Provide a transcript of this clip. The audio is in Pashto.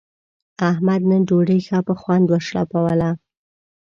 احمد نن ډوډۍ ښه په خوند و شړپوله.